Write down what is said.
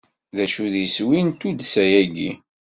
D acu i d iswi n tuddsa-agi?